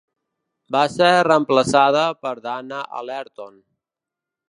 Va ser reemplaçada per Dana Allerton.